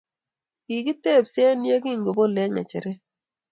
kikitebse ye kingebol eng ngecheret